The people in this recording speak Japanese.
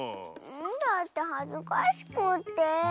だってはずかしくって。